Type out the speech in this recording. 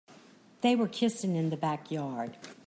They were kissing in the backyard.